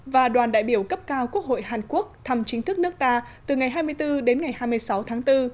và đoàn đại biểu cấp cao quốc hội hàn quốc thăm chính thức nước ta từ ngày hai mươi bốn đến ngày hai mươi sáu tháng bốn